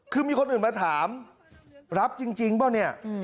คือมีคนอื่นมาถามรับจริงป่ะเนี่ย